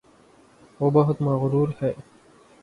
وہ بہت مغرور ہےـ